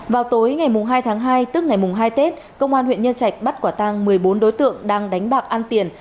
vào tối ngày hai tháng hai tức ngày hai tết công an huyện nhân trạch bắt quả tang một mươi bốn đối tượng đang đánh bạc ăn tiền